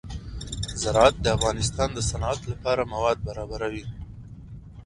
زراعت د افغانستان د صنعت لپاره مواد برابروي.